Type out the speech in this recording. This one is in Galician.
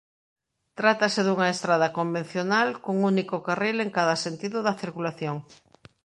Trátase dunha estrada convencional cun único carril en cada sentido da circulación.